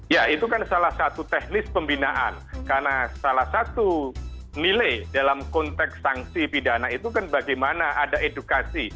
ya itu kan salah satu teknis pembinaan karena salah satu nilai dalam konteks sanksi pidana itu kan bagaimana ada edukasi